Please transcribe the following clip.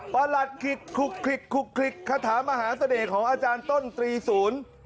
ประรัติคิกคุกคิกคุกคิกคาถามหาเสด็คของอาจารย์ต้นตรีศูนย์